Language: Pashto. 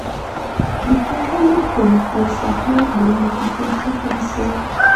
د ښاغلي پومپیو سفر بې نتیجې ختم شو.